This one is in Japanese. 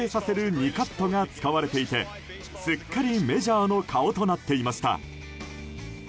２カットが使われていてすっかりメジャーの顔となっていました。